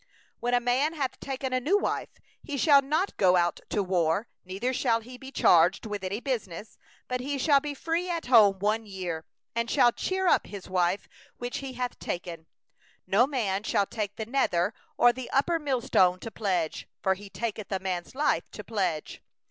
5When a man taketh a new wife, he shall not go out in the host, neither shall he be charged with any business; he shall be free for his house one year, and shall cheer his wife whom he hath taken. 6No man shall take the mill or the upper millstone to pledge; for he taketh a man's life to pledge.